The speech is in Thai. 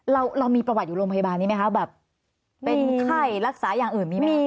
เรามีประวัติอยู่โรงพยาบาลนี้ไหมคะแบบเป็นไข้รักษาอย่างอื่นมีไหม